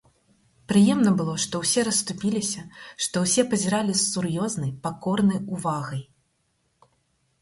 Прыемна было, што ўсе расступіліся, што ўсе пазіралі з сур'ёзнай, пакорнай увагай.